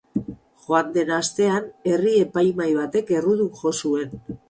Joan den astean, herri epaimahai batek errudun jo zuen.